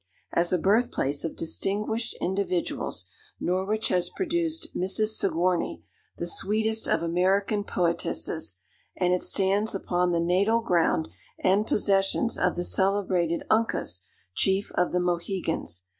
As a birth place of distinguished individuals, Norwich has produced Mrs. Sigourney, the sweetest of American poetesses; and it stands upon the natal ground and possessions of the celebrated Uncas, chief of the Mohegans.